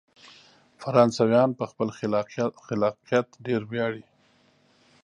فرانسویان په خپل خلاقیت ډیر ویاړي.